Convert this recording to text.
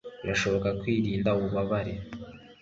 birashoboka kwirinda ububabare